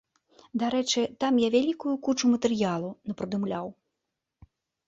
Дарэчы там я вялікую кучу матэрыялу напрыдумляў.